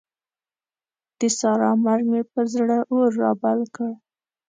د سارا مرګ مې پر زړه اور رابل کړ.